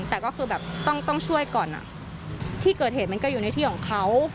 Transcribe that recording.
แต่ก็คือแบบต้องช่วยก่อนที่เกิดเหตุมันก็อยู่ในที่ของเขา